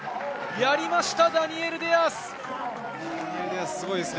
やりました、ダニエル・デア